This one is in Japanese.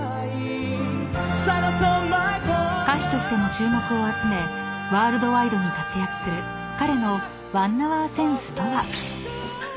［歌手としても注目を集めワールドワイドに活躍する彼の１ＨｏｕｒＳｅｎｓｅとは］